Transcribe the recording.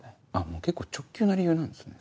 もう結構直球な理由なんですね。